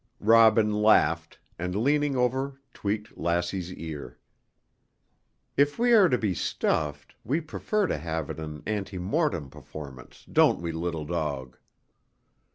'" Robin laughed, and leaning over tweaked Lassie's ear. "If we are to be stuffed, we prefer to have it an ante mortem performance, don't we, little dog?"